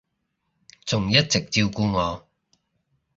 仲一直照顧我